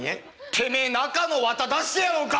てめえ中の綿出してやろうか！？